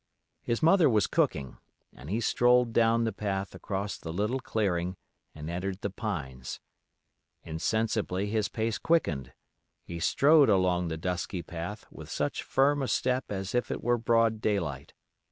His mother was cooking, and he strolled down the path across the little clearing and entered the pines. Insensibly his pace quickened—he strode along the dusky path with as firm a step as if it were broad daylight.